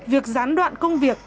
việc gián đoạn công việc